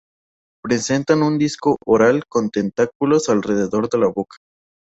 Presentan un disco oral con tentáculos alrededor de la boca.